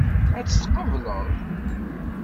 Ad t-tqebleḍ?